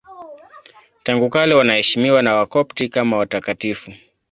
Tangu kale wanaheshimiwa na Wakopti kama watakatifu.